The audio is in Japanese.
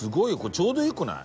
ちょうどよくない？